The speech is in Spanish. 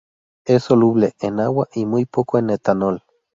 Es soluble en agua y muy poco en etanol.